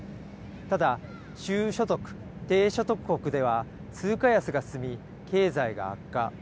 ただ、中所得・低所得国では、通貨安が進み、経済が悪化。